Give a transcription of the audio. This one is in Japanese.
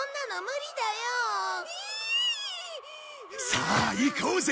さあ行こうぜ！